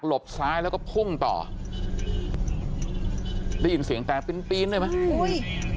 หลบซ้ายแล้วก็พุ่งต่อเธอได้ยินเสียงแตกปีนด้วยมั้ยโอ้ย